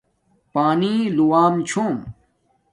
پانی لُووم چھوم